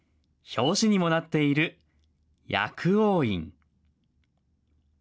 表紙にもなっている薬王院。